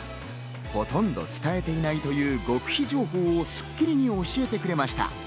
ほとんど伝えていないという極秘情報を『スッキリ』に教えてくれました。